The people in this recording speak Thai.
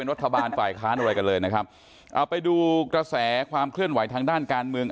รัฐบาลฝ่ายค้านอะไรกันเลยนะครับเอาไปดูกระแสความเคลื่อนไหวทางด้านการเมือง